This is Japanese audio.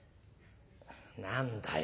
何だよ？